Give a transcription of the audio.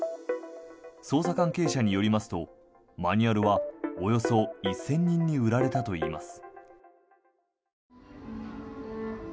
捜査関係者によりますとマニュアルはおよそ１０００人に売られたといいます。